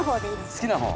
好きな方？